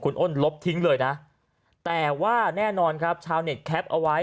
คุณอ้นลบทิ้งเลยนะแต่ว่าแน่นอนครับชาวเน็ตแคปเอาไว้